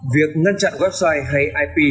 việc ngăn chặn website hay ip